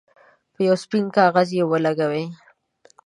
په یو سپین کاغذ یې ولګوئ.